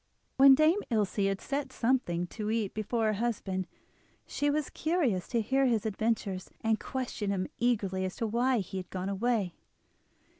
When Dame Ilse had set something to eat before her husband, she was curious to hear his adventures, and questioned him eagerly as to why he had gone away.